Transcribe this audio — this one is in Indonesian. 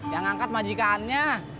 yang angkat majikannya